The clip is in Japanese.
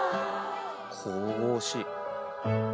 神々しい。